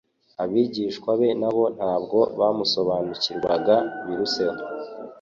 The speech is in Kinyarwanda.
Abigishwa be na bo ntabwo bamusobanukirwaga biruseho.